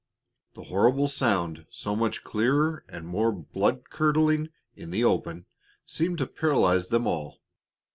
The horrible sound, so much clearer and more blood curdling in the open, seemed to paralyze them all.